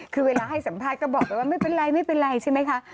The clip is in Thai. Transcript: คือเวลาให้สัมภาษณ์ก็บอกไปว่าไม่เป็นไรไม่เป็นไรใช่ไหมคะ